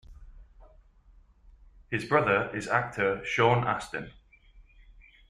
His brother is actor Sean Astin.